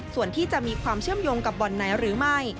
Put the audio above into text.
ส่วนที่จะมีความเชื่อมโยงกับบ่อนไหนหรือไม่